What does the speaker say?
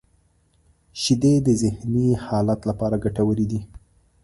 • شیدې د ذهنی حالت لپاره ګټورې دي.